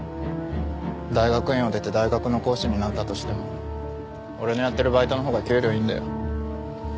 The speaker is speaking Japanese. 大学院を出て大学の講師になったとしても俺のやってるバイトのほうが給料いいんだよ。